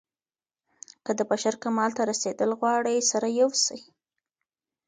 که د بشر کمال ته رسېدل غواړئ سره يو سئ.